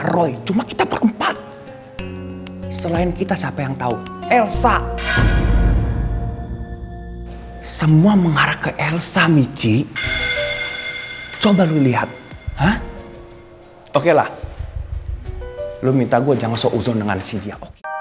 lo minta gue jangan sok uzon dengan si dia